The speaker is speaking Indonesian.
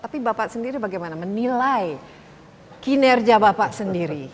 tapi bapak sendiri bagaimana menilai kinerja bapak sendiri